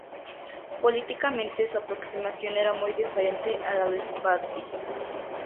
Políticamente, su aproximación era muy diferente a la de su padre.